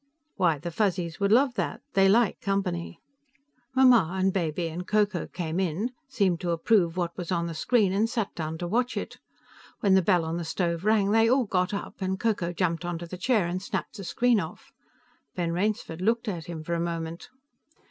"Why, the Fuzzies would love that. They like company." Mamma and Baby and Ko Ko came in, seemed to approve what was on the screen and sat down to watch it. When the bell on the stove rang, they all got up, and Ko Ko jumped onto the chair and snapped the screen off. Ben Rainsford looked at him for a moment.